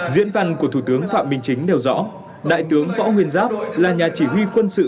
diễn văn của thủ tướng phạm minh chính nêu rõ đại tướng võ nguyên giáp là nhà chỉ huy quân sự